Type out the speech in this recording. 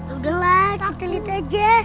udah lah kita lihat aja